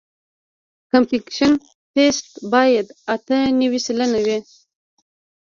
د کمپکشن ټسټ باید اته نوي سلنه وي